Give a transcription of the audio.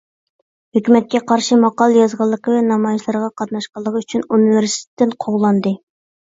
ھۆكۈمەتكە قارشى ماقالە يازغانلىقى ۋە نامايىشلارغا قاتناشقانلىقى ئۈچۈن ئۇنىۋېرسىتېتتىن قوغلاندى.